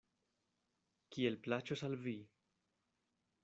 Kiel plaĉos al vi.